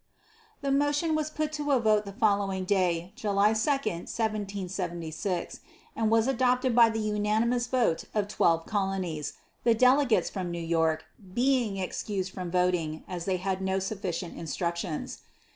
The motion was put to a vote the following day, July 2, 1776, and was adopted by the unanimous vote of twelve colonies, the delegates from New York being excused from voting, as they had no sufficient instructions.